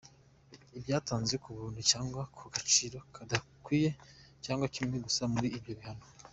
Ibyatanzwe ku buntu cyangwa ku gaciro kadakwiye cyangwa kimwe gusa muri ibyo bihano.